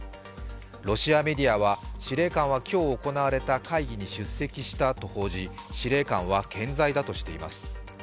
ロシアメディアは、司令官は今日行われた会議に出席したと報じ司令官は健在だとしています。